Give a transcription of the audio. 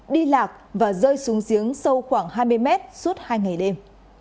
đi lạc và rơi xuống giếng sâu khoảng hai mươi mét suốt hai ngày đêm